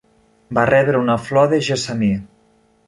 Va rebre una flor de gessamí.